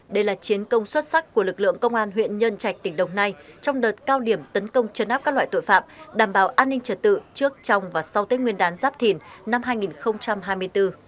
đây là chiến công xuất sắc của lực lượng công an huyện nhân trạch tỉnh đồng nai trong đợt cao điểm tấn công chấn áp các loại tội phạm đảm bảo an ninh trật tự trước trong và sau tết nguyên đán giáp thìn năm hai nghìn hai mươi bốn